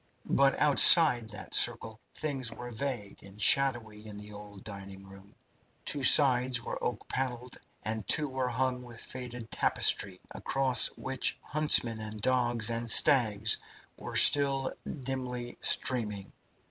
But outside that circle things were vague and shadowy in the old dining hall. Two sides were oak panelled and two were hung with faded tapestry, across which huntsmen and dogs and stags were still dimly streaming.